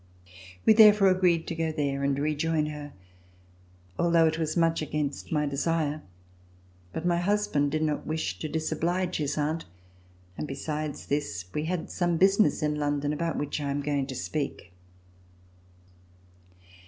We therefore agreed to go there and rejoin her, although it was much against my desire; but my husband did not wish to disoblige his aunt and besides this, we had some business in London about which I am going to speak.